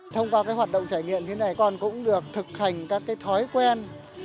thông qua hoạt động trải nghiệm thế này con cũng được thực hành các thói quen